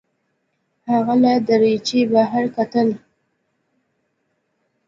هغه له دریچې بهر کتل.